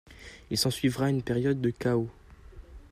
Il s’ensuivra une période de chaos.